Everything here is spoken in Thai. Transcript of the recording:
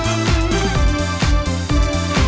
เฮาอะไร